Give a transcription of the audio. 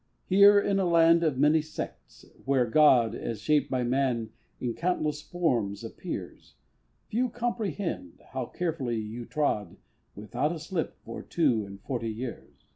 Here in a land of many sects, where God As shaped by man in countless forms appears, Few comprehend how carefully you trod Without a slip for two and forty years.